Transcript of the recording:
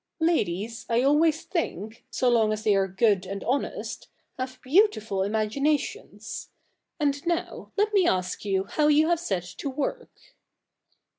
' Ladies I always think, so long as they are good and honest, have beautiful imaginations. And now, let me ask you how you have set to work.'